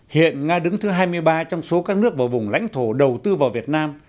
hiện nga đứng thứ hai mươi ba trong số các nước và vùng lãnh thổ đầu tư vào việt nam